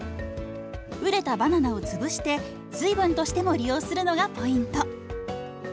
熟れたバナナを潰して水分としても利用するのがポイント。